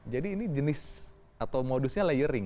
jadi ini jenis atau modusnya layering